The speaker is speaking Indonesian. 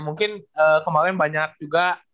mungkin kemarin banyak juga